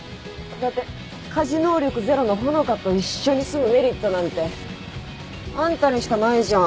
だって家事能力０の穂香と一緒に住むメリットなんてあんたにしかないじゃん。